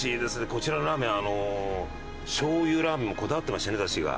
こちらのラーメンあの醤油ラーメンもこだわってましてね出汁が。